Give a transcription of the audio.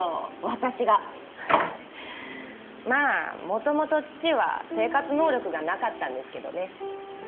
私がまあ元々父は生活能力がなかったんですけどね